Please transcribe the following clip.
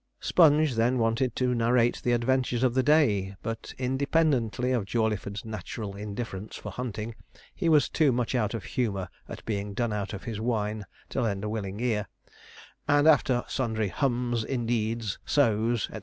Sponge then wanted to narrate the adventures of the day; but, independently of Jawleyford's natural indifference for hunting, he was too much out of humour at being done out of his wine to lend a willing ear; and after sundry 'hums,' 'indeeds,' 'sos,' &c.